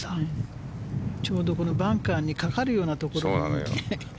ちょうどバンカーにかかるようなところに。